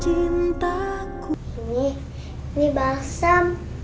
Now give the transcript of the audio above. ini ini balsam